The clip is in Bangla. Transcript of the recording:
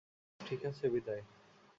ঠিক আছে, বিদায়।